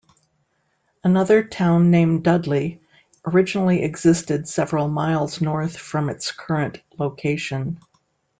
Another town named Dudley originally existed several miles north from its current location.